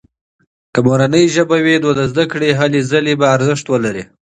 که مورنۍ ژبه وي، نو د زده کړې هلې ځلې به ارزښت ولري.